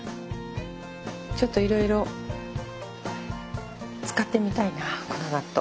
ちょっといろいろ使ってみたいなこの納豆。